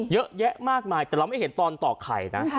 เยอะแยะมากมายแต่เราไม่เห็นตอนต่อไข่นะ